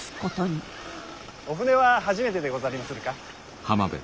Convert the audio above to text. お舟は初めてでござりまするか？